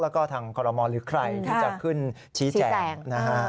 แล้วก็ทางคอรมอลหรือใครที่จะขึ้นชี้แจงนะฮะ